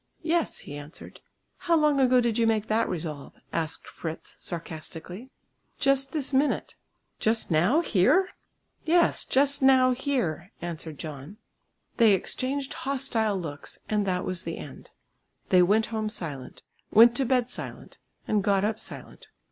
"Yes," he answered. "How long ago did you make that resolve," asked Fritz sarcastically. "Just this minute." "Just now, here?" "Yes, just now, here!" answered John. They exchanged hostile looks and that was the end. They went home silent; went to bed silent; and got up silent.